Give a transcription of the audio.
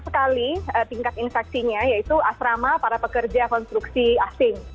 sekali tingkat infeksinya yaitu asrama para pekerja konstruksi asing